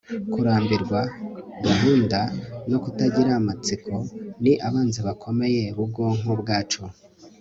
kurambirwa, gahunda, no kutagira amatsiko ni abanzi bakomeye b'ubwonko bwacu